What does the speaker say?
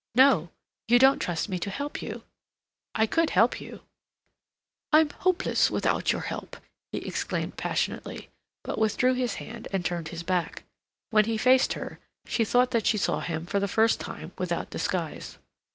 "No. You don't trust me to help you.... I could help you?" "I'm hopeless without your help!" he exclaimed passionately, but withdrew his hand and turned his back. When he faced her, she thought that she saw him for the first time without disguise.